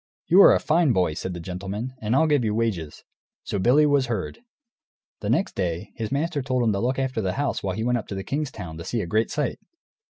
"You are a fine boy," said the gentleman, "and I'll give you wages." So Billy was herd. The next day, his master told him to look after the house while he went up to the king's town, to see a great sight.